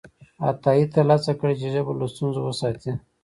عطایي تل هڅه کړې چې ژبه له ستونزو وساتي.